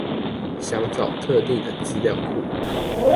想找特定的資料庫